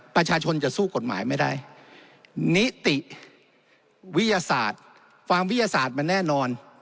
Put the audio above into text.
ประชาชนจะสู้กฎหมายไม่ได้นิติวิทยาศาสตร์ความวิทยาศาสตร์มันแน่นอน